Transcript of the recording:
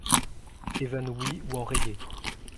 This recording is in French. Évanoui ou enrayé.